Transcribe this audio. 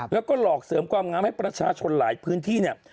แล้วก็หลอกเสริมความงามให้ประชาชนหลายพื้นที่เนี่ย